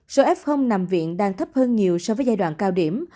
số f nằm viện đang thấp hơn nhiều so với giai đoạn cao điểm